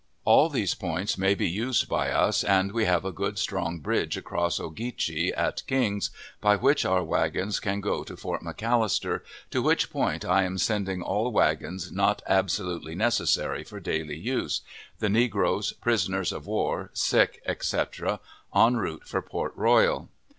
All these points may be used by us, and we have a good, strong bridge across Ogeechee at King's, by which our wagons can go to Fort McAllister, to which point I am sending all wagons not absolutely necessary for daily use, the negroes, prisoners of war, sick, etc., en route for Port Royal.